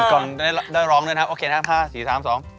ก่อนได้ร้องด้วยนะครับโอเคนะครับ๕๔๓๒